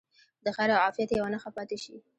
د خیر او عافیت یوه نښه پاتې شي.